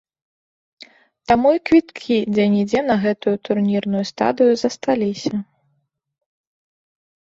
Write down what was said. Таму і квіткі дзе-нідзе на гэтую турнірную стадыю засталіся.